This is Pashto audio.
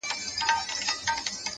سیاه پوسي ده د مړو ورا ده!